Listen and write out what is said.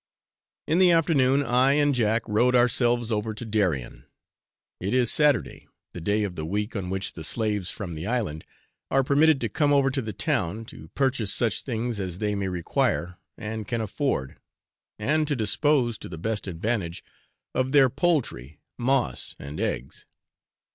In the afternoon, I and Jack rowed ourselves over to Darien. It is Saturday the day of the week on which the slaves from the island are permitted to come over to the town, to purchase such things as they may require and can afford, and to dispose, to the best advantage, of their poultry, moss, and eggs.